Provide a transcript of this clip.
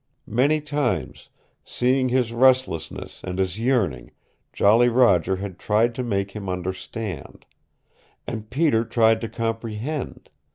Many times, seeing his restlessness and his yearning, Jolly Roger had tried to make him understand. And Peter tried to comprehend.